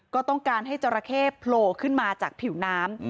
ก็ต้องการให้จราเข้โผล่ขึ้นมาจากผิวน้ำ